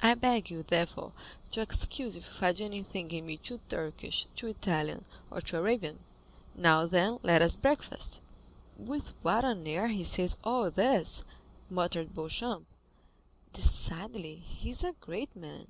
I beg you, therefore, to excuse if you find anything in me too Turkish, too Italian, or too Arabian. Now, then, let us breakfast." "With what an air he says all this," muttered Beauchamp; "decidedly he is a great man."